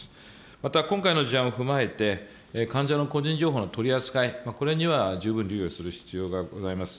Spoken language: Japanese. また今回の事案を踏まえて、患者の個人情報の取り扱い、これには十分留意をする必要がございます。